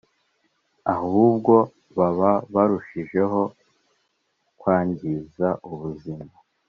ahubwo baba barushijeho kwangiza ubuzima